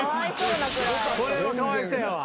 これはかわいそうやわ。